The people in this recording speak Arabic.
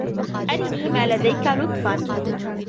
أرني ما لديك لطفا!